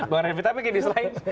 bang revie tapi gini selain